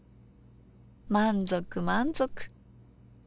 満足満足。